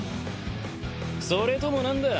それとも何だ？